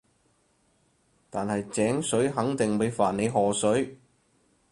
但係井水肯定會犯你河水